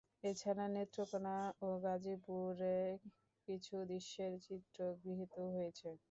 এছাড়া নেত্রকোণা ও গাজীপুরে কিছু দৃশ্যের চিত্র গৃহীত হয়েছে।